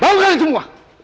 bangun kalian semua